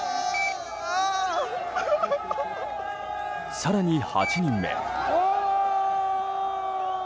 更に８人目。